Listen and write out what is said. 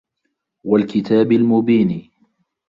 وَالكِتابِ المُبينِ